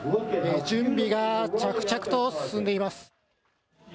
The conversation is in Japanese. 準備が着々と進んでいます。